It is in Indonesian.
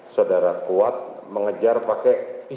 saudara kuat mengejar pakai